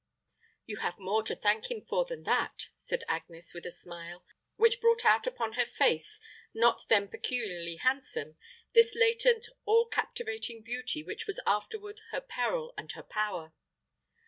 "You have more to thank him for than that," said Agnes, with a smile, which brought out upon her face, not then peculiarly handsome, that latent, all captivating beauty which was afterward her peril and her power.